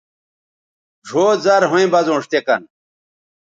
ڙھؤ زرھویں بزونݜ تے کن